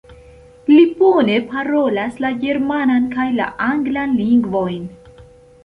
Li bone parolas la germanan kaj la anglan lingvojn.